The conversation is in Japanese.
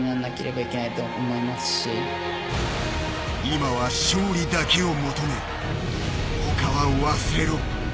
今は勝利だけを求め他は忘れろ。